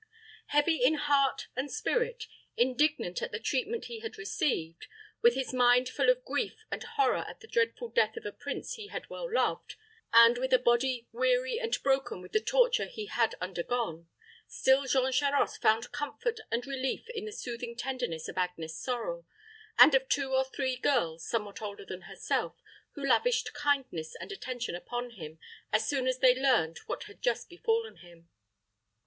Heavy in heart and spirit, indignant at the treatment he had received, with his mind full of grief and horror at the dreadful death of a prince he had well loved, and with a body weary and broken with the torture he had undergone, still Jean Charost found comfort and relief in the soothing tenderness of Agnes Sorel, and of two or three girls somewhat older than herself, who lavished kindness and attention upon him as soon as they learned what had just befallen him.